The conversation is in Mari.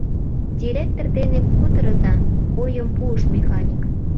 — Директор дене кутырыза, — ойым пуыш механик.